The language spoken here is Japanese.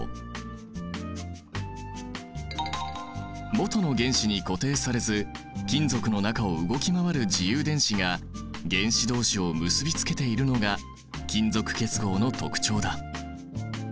もとの原子に固定されず金属の中を動き回る自由電子が原子どうしを結びつけているのが金属結合の特徴だ。